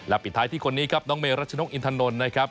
ปิดท้ายที่คนนี้ครับน้องเมรัชนกอินทนนท์นะครับ